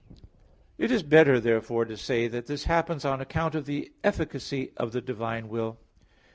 It is better therefore to say that this happens on account of the efficacy of the divine will.